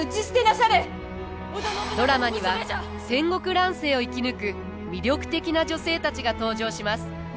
ドラマには戦国乱世を生き抜く魅力的な女性たちが登場します。